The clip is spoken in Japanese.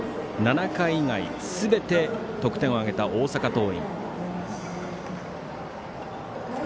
７回以外、すべて得点を挙げた大阪桐蔭。